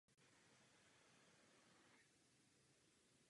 Doporučuji, abychom byli neúnavní.